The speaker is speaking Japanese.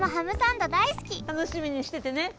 たのしみにしててね。